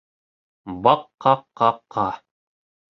Баҡ-ҡа-ҡа-ҡа.